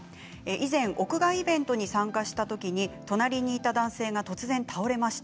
以前、屋外イベントに参加したときに隣にいた男性が突然倒れました。